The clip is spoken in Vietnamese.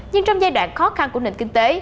nhưng trong giai đoạn khó khăn của nền kinh tế